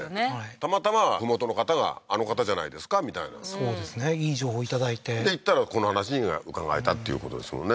たまたま麓の方があの方じゃないですかみたいなそうですねいい情報いただいてで行ったらこの話が伺えたっていうことですもんね